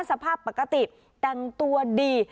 สภาพปกติแต่งตัวดี